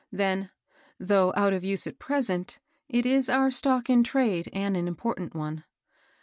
Then^^ though out of use at present, it is our * stock in trade,' and an important one.